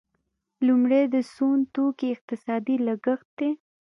لومړی د سون توکو اقتصادي لګښت دی.